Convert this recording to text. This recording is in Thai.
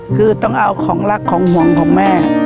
คือต้องเอาของรักของห่วงของแม่